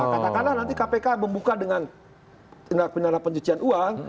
nah katakanlah nanti kpk membuka dengan pencucian uang